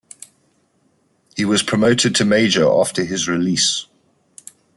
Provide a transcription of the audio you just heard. He was promoted to major after his release.